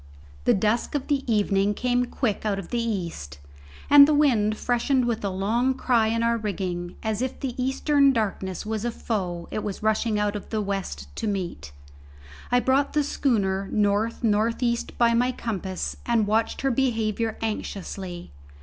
The dusk of the evening came quick out of the east, and the wind freshened with a long cry in our rigging as if the eastern darkness was a foe it was rushing out of the west to meet. I brought the schooner north north east by my compass and watched her behaviour anxiously.